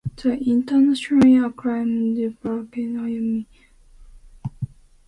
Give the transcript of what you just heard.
The internationally acclaimed vocalist Ayumi Hamasaki resides in a penthouse apartment in Minami-Azabu.